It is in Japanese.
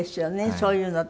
そういうのって。